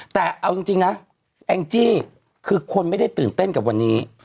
แต่เอาจริงนะแองจี้คือคนไม่ได้ตื่นเต้นกับวันนี้